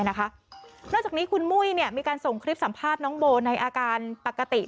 นอกจากนี้คุณมุ้ยมีการส่งคลิปสัมภาษณ์น้องโบในอาการปกติ